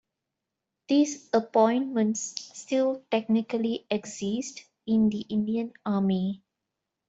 These appointments still technically exist in the Indian Army.